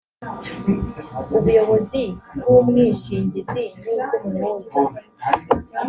ubuyobozi bw umwishingizi n ubw umuhuza